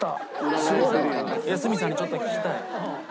角さんにちょっと聞きたい。